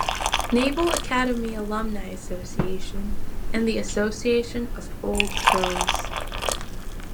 Naval Academy Alumni Association and the Association of Old Crows.